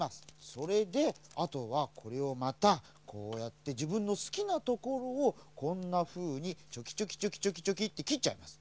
それであとはこれをまたこうやってじぶんのすきなところをこんなふうにチョキチョキチョキチョキってきっちゃいます。